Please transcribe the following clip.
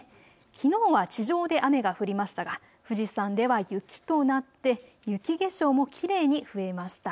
きのうは地上で雨が降りましたが富士山では雪となって雪化粧もきれいに増えました。